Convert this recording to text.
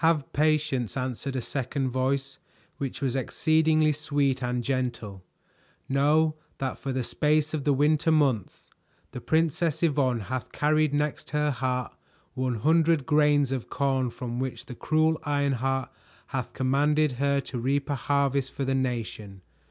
"Have patience," answered a second voice which was exceedingly sweet and gentle. "Know that for the space of the winter months the Princess Yvonne hath carried next her heart one hundred grains of corn from which the cruel Ironheart hath commanded her to reap a harvest for the nation.